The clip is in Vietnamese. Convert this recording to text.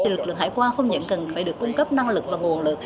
lực lượng hải quan không chỉ cần phải được cung cấp năng lực và nguồn lực